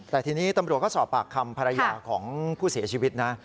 แต่ทีนี้ตำรวจก็สอบปากคำภรรยาของผู้เสียชีวิตนะ